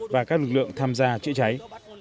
và các lực lượng tham gia chữa cháy